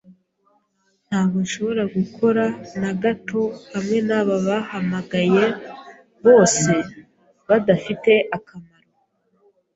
Ntabwo nshobora gukora na gato hamwe naba bahamagaye bose badafite akamaro.